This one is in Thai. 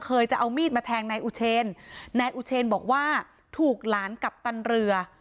จะเอามีดมาแทงนายอุเชนนายอุเชนบอกว่าถูกหลานกัปตันเรือ